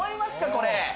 これ。